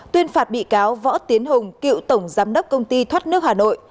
tuyên phạt bị cáo võ tiến hùng cựu tổng giám đốc công ty thoát nước hà nội